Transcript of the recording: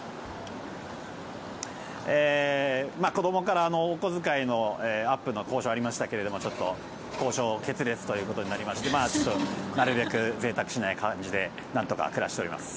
子どもからお小遣いのアップの交渉ありましたけどもちょっと交渉決裂ということになりましてなるべくぜいたくしない感じでなんとか暮らしております。